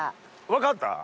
分かった？